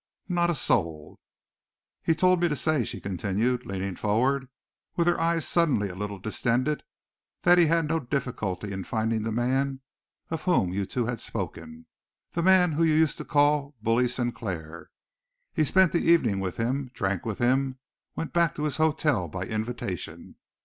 "Not a soul." "He told me to say," she continued, leaning forward, and with her eyes suddenly a little distended, "that he had no difficulty in finding the man of whom you two had spoken the man whom you used to call Bully Sinclair. He spent the evening with him, drank with him, went back to his hotel by invitation.